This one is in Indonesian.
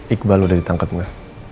iqbal udah ditangkap gak